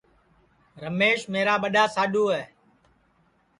رمیش میرا ٻڈؔا ساڈوُ ہے